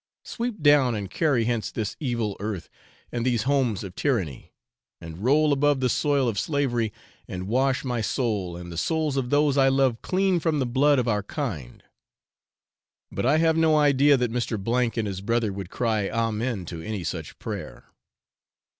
Sweep down and carry hence this evil earth and these homes of tyranny, and roll above the soil of slavery, and wash my soul and the souls of those I love clean from the blood of our kind!' But I have no idea that Mr. and his brother would cry amen to any such prayer.